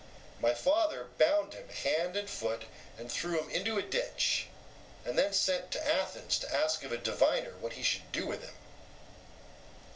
My father bound him hand and foot and threw him into a ditch, and then sent to Athens to ask of a diviner what he should do with him.